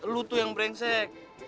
lu tuh yang berengsek